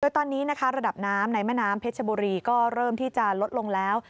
ตอนนี้นะคะระดับน้ำในแม่น้ำเพชรบุรีก็เริ่มที่จะลดลงแล้ว